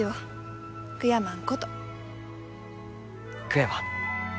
悔やまん。